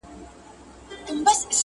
هغه چنار ته د مرغیو ځالګۍ نه راځي!!